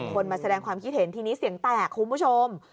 มาแสดงความคิดเห็นทีนี้เสียงแตกคุณผู้ชม